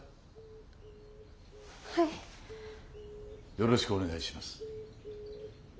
よろしくお願いします。